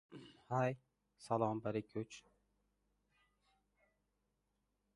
Yayó cu wu gba lókɔn brɛ mpi.